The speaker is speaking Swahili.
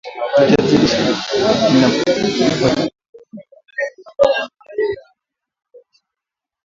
kiazi lishe kinatupatia vitamini A kwa gharama ndogo kulinganisha maziwa